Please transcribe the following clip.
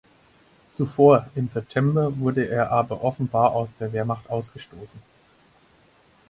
Zuvor, im September, wurde er aber offenbar aus der Wehrmacht ausgestoßen.